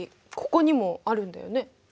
ここにもあるんだよね？